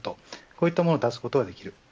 こういったものを出すことができる。